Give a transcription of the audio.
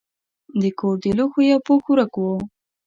د کور د لوښو یو پوښ ورک و.